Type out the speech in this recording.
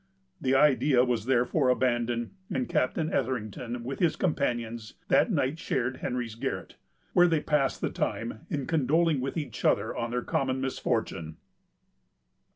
The idea was therefore abandoned, and Captain Etherington, with his companions, that night shared Henry's garret, where they passed the time in condoling with each other on their common misfortune.